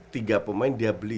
tiga pemain dia beli